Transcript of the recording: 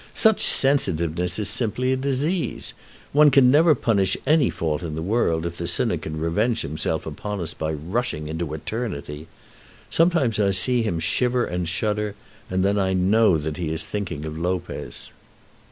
Such sensitiveness is simply a disease. One can never punish any fault in the world if the sinner can revenge himself upon us by rushing into eternity. Sometimes I see him shiver and shudder, and then I know that he is thinking of Lopez."